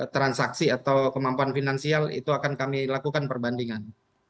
transaksi atau kemampuan finansial itu akan kami lakukan perbandingan